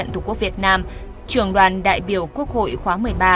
trường đoàn đại biểu quốc hội khóa một mươi ba